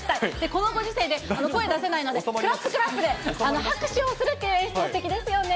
このご時世で声出せないので、クラップクラップで、拍手をする演出ってすてきですよね。